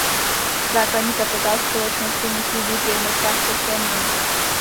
Základní kapitál společnosti musí být v jednotkách české měny.